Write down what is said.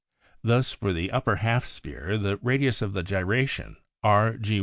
Thus for the upper half sphere the radius of gyration Rgi = Fig.